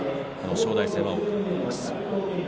正代戦で多く見られます。